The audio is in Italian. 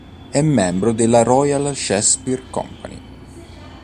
È un membro della "Royal Shakespeare Company".